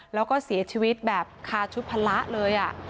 แล้วก็เสียชีวิตแบบคาชุดพละเลย